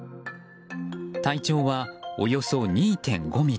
体長はおよそ２．５ｍｍ。